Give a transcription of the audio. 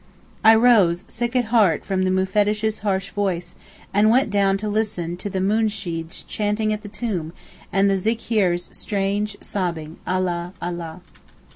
I rose sick at heart from the Mufettish's harsh voice, and went down to listen to the Moonsheeds chanting at the tomb and the Zikheers' strange sobbing, Allah, Allah.